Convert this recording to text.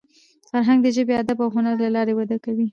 فرهنګ د ژبي، ادب او هنر له لاري وده کوي.